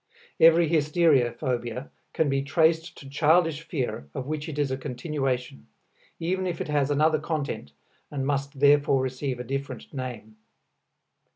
Every hysteria phobia can be traced to childish fear of which it is a continuation, even if it has another content and must therefore receive a different name.